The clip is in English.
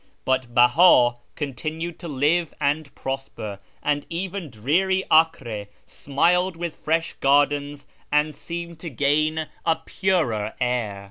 But Beha continued to live and prosper, and even dreary Acre smiled with fresh gardens and seemed to gain a purer air.